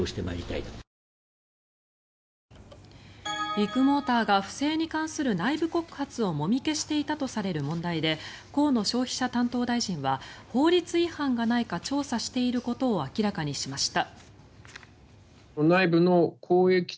ビッグモーターが不正に関する内部告発をもみ消していたとされる問題で河野消費者担当大臣は法律違反がないか調査していることを明らかにしました。